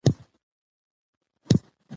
د ښو عادتونو خپلول وخت غواړي.